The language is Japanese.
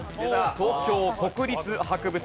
東京国立博物館です。